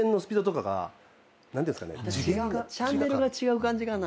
チャンネルが違う感じかな？